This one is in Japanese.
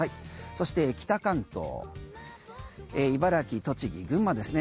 そして北関東茨城、栃木、群馬ですね。